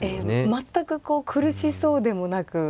全く苦しそうでもなく。